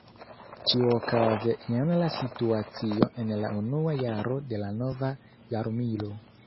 Ĉiuokaze jen la situacio en la unua jaro de la nova jarmilo.